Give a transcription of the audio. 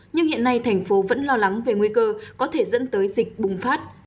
nhưng hiện nay thành phố vẫn lo lắng về nguy cơ có thể dẫn tới dịch bùng phát